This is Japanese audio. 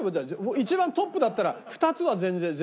一番トップだったら２つは全然絶対。